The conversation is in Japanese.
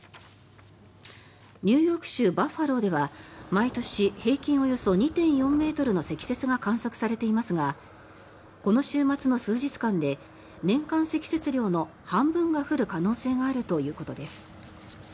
ニューヨーク州バファローでは毎年平均およそ２．４ｍの積雪が観測されていますがこの週末の数日間で年間積雪量の半分が降る可能性があるということです。